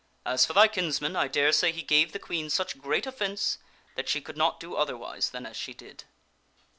As for thy kinsman, I daresay he gave the Queen such great offence that she could not do otherwise than as she did."